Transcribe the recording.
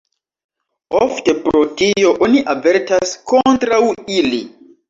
Ofte pro tio oni avertas kontraŭ ili.